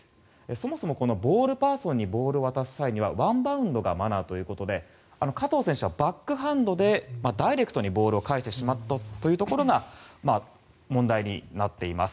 そもそもボールパーソンにボールを渡す際はワンバウンドがマナーということで加藤選手はバックハンドでダイレクトにボールを返してしまったというところが問題になっています。